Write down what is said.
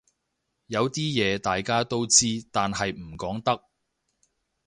有啲嘢大家都知但係唔講得